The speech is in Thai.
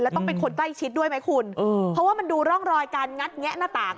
แล้วต้องเป็นคนใกล้ชิดด้วยไหมคุณเพราะว่ามันดูร่องรอยการงัดแงะหน้าต่าง